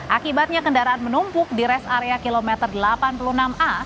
akibatnya kendaraan menumpuk di res area kilometer delapan puluh enam a